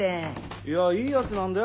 いやいいヤツなんだよ